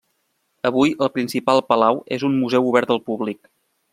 Avui el principal palau és un museu obert al públic.